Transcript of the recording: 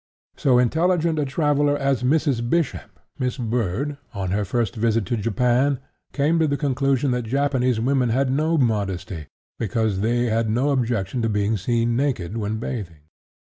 So intelligent a traveler as Mrs. Bishop (Miss Bird), on her first visit to Japan came to the conclusion that Japanese women had no modesty, because they had no objection to being seen naked when bathing.